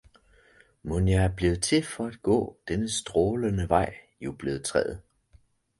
Mon jeg er blevet til for at gå denne strålende vej? jublede træet.